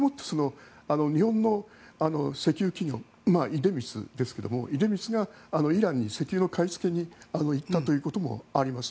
日本の石油企業出光ですけども出光がイランに石油の買い付けに行ったということもあります。